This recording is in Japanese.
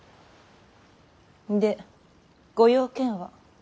でご用件は。